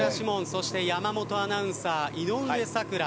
そして山本アナウンサー井上咲楽。